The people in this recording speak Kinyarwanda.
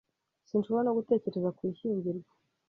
Sinshobora no gutekereza ku ishyingirwa.